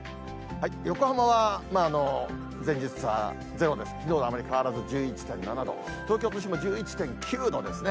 横浜は前日差０です、きのうとあまり変わらず１１．７度、東京都心も１１．９度ですね。